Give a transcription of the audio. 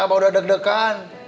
abah udah deg degan